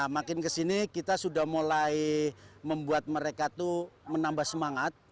makin ke sini kita sudah mulai membuat mereka menambah semangat